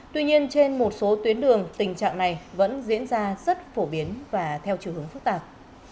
tuy nhiên trên một số tuyến đường tình trạng này vẫn diễn ra rất phổ biến và theo chiều hướng phức tạp